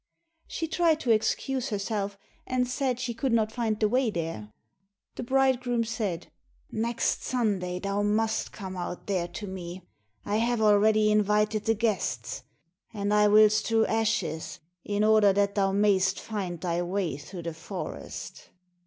She tried to excuse herself and said she could not find the way there. The bridegroom said, "Next Sunday thou must come out there to me; I have already invited the guests, and I will strew ashes in order that thou mayst find thy way through the forest."